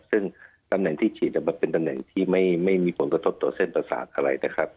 ซึ่งตำแหน่งที่ฉีดมันเป็นตำแหน่งที่ไม่มีผลกระทบต่อเส้นต่อสากอะไรนะครับ